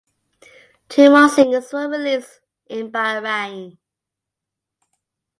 Two more singles were released in Bahrain.